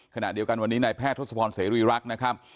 ขณะเดียวกันวันนี้ในแพทย์ทศพเสรีรุยรักนะครับ